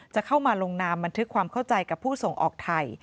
จะเข้ามาลงนามบันทึกความเข้าใจกับผู้ส่งออกไทย